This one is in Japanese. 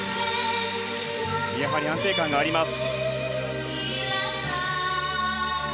やはり安定感があります。